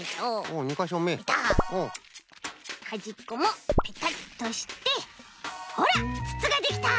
はじっこもペタッとしてほらつつができた！